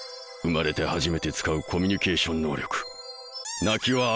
生まれて初めて使うコミュニケーション能力。